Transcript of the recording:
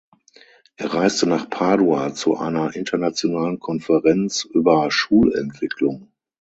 Er reiste nach Padua zu einer internationalen Konferenz über Schulentwicklung.